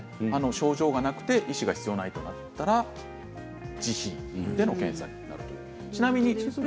症状がなくて医師が必要ないとなったら自費での検査となります。